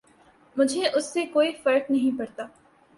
مجھے اس سے کوئی فرق نہیں پڑتا۔